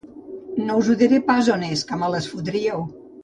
No us diré pas on és, que me les fotríeu